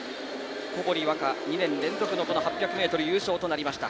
小堀倭加、２年連続の８００ｍ優勝となりました。